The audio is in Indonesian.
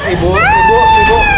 ibu ibu ibu